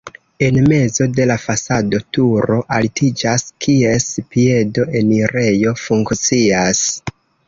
En mezo de la fasado turo altiĝas, kies piedo enirejo funkcias.